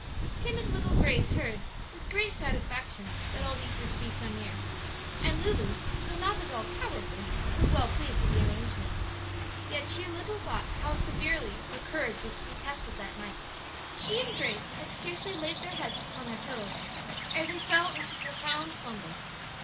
Timid little Grace heard, with great satisfaction, that all these were to be so near; and Lulu, though not at all cowardly, was well pleased with the arrangement. Yet she little thought how severely her courage was to be tested that night. She and Grace had scarcely laid their heads upon their pillows ere they fell into profound slumber.